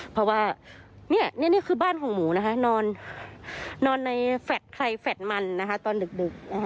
เพราะว่านี่คือบ้านของหมูนะคะนอนในไฟท์มันตอนดึก